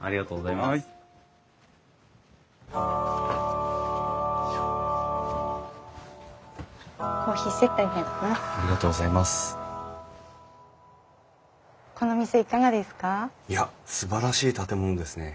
いやすばらしい建物ですね。